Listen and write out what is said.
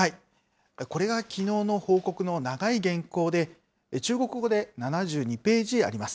これがきのうの報告の長い原稿で、中国語で７２ページありま